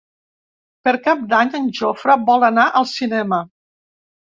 Per Cap d'Any en Jofre vol anar al cinema.